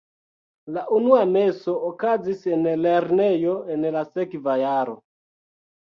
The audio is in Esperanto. La unua meso okazis en lernejo en la sekva jaro.